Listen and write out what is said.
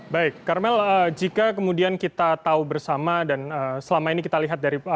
baik karmel jika kemudian kita tahu bersama dan selama ini kita lihat dari